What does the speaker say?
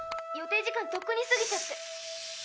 予定時間とっくに過ぎちゃって。